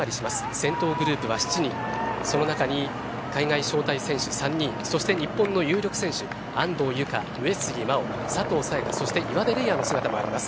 先頭グループは７人その中に海外招待選手３人そして日本の有力選手・安藤友香上杉真穂、佐藤早也伽そして岩出玲亜の姿もあります。